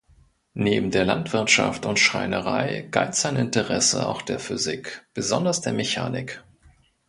Neben der Landwirtschaft und Schreinerei galt sein Interesse auch der Physik, besonders der Mechanik.